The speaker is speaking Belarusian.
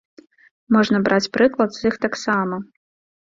Можна браць прыклад з іх таксама.